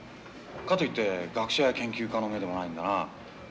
かといって学者や研究家の目でもないんだな。